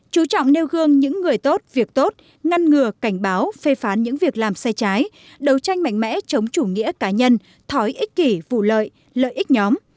chú trọng nêu gương những người tốt việc tốt ngăn ngừa cảnh báo phê phán những việc làm sai trái đấu tranh mạnh mẽ chống chủ nghĩa cá nhân thói ích kỷ vụ lợi lợi ích nhóm